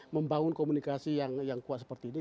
membangun komunikasi yang kuat seperti ini